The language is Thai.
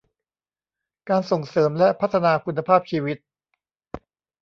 การส่งเสริมและพัฒนาคุณภาพชีวิต